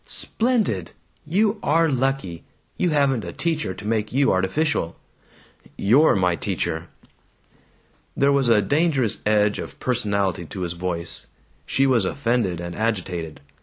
"Splendid! You are lucky. You haven't a teacher to make you artificial." "You're my teacher!" There was a dangerous edge of personality to his voice. She was offended and agitated.